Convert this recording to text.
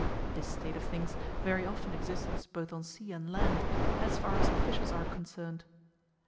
This state of things very often exists both on sea and land, as far as officials are concerned.